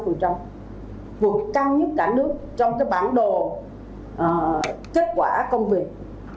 chúng ta vượt một mươi hai mươi năm vượt cao nhất cả nước trong bản đồ kết quả công việc